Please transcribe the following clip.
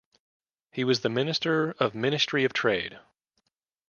He was Minister of Ministry of Trade.